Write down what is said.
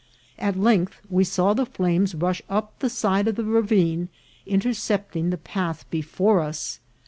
At length we saw the flames rush up the side of the ra vine, intercepting the path before us.